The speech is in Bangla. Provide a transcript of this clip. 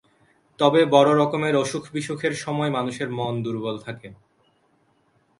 তবে বড় রকমের অসুখ-বিসুখের সময় মানুষের মন দুর্বল থাকে।